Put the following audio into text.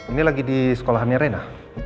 ini lagi di sekolahannya rena